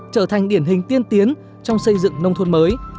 trở thành điển hình tiên tiến trong xây dựng nông thôn mới